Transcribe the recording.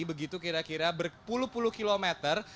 begitu kira kira berpuluh puluh kilometer